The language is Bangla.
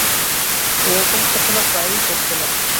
এরকম ঘটনা প্রায়ই ঘটতে লাগল।